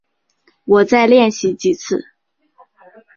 我再练习几次